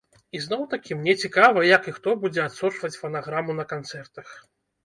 І зноў-такі, мне цікава як і хто будзе адсочваць фанаграму на канцэртах.